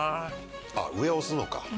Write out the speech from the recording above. あっ上押すのか。